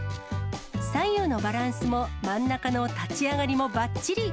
左右のバランスも真ん中の立ち上がりもばっちり。